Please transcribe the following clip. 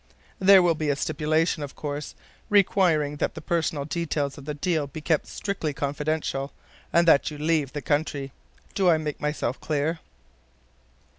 There will be a stipulation, of course, requiring that the personal details of the deal be kept strictly confidential, and that you leave the country. Do I make myself clear?"